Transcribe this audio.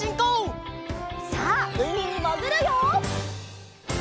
さあうみにもぐるよ！